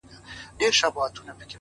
لـه ژړا دي خداى را وساته جانـانـه-